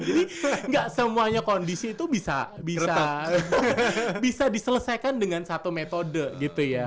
jadi enggak semuanya kondisi itu bisa bisa diselesaikan dengan satu metode gitu ya